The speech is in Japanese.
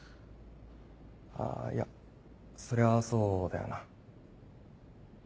あぁいやそりゃそうだよな。